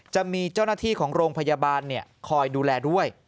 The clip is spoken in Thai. จะมีเจ้าหน้าที่ของโรงพยาบาลคอยดูแลด้วย